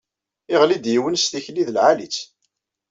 Iɣli-d yiwen s tikti d lεali-tt.